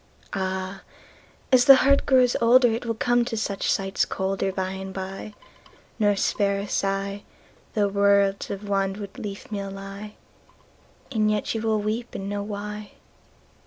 Áh! ás the heart grows olderIt will come to such sights colderBy and by, nor spare a sighThough worlds of wanwood leafmeal lie; And yet you wíll weep and know why.